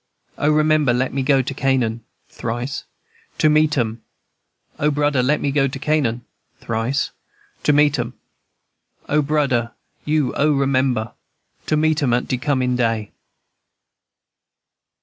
O, remember, let me go to Canaan, (Thrice.) To meet "em, &c. O brudder, let me go to Canaan, (Thrice.) To meet 'em, &c. My brudder, you oh! remember, (Thrice.) To meet 'em at de comin' day."